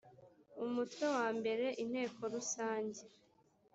umutwe wa mbere inteko rusange